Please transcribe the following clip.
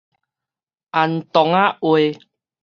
安童仔喂